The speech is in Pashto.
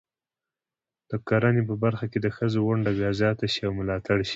د کرنې په برخه کې د ښځو ونډه باید زیاته شي او ملاتړ شي.